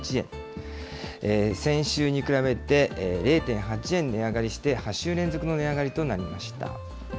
先週に比べて０．８円値上がりして、８週連続の値上がりとなりました。